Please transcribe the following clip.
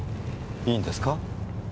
いいんですか？